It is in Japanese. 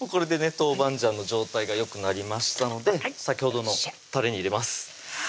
豆板醤の状態がよくなりましたので先ほどのたれに入れます